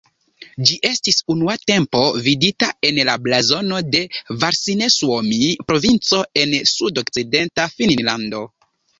Ĝi estis unua tempo vidita en la blazono de Varsinais-Suomi, provinco en sudokcidenta Finnlando.